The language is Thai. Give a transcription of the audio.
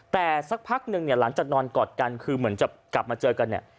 แต่สักพักนึงเนี่ยหลังจากนอนกอดกันคือเหมือนจะกลับมาเจอกันเนี่ย